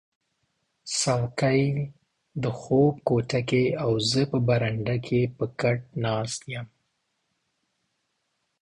څوکی د خوب کوټه کې او زه په برنډه کې په کټ ناست یم